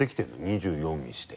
２４にして。